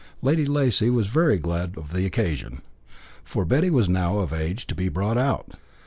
Lady Lacy was very glad of the occasion, for Betty was now of an age to be brought out.